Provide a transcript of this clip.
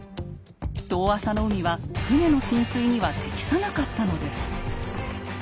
遠浅の海は船の進水には適さなかったのです。